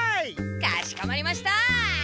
かしこまりました！